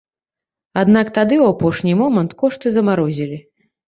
Аднак тады ў апошні момант кошты замарозілі.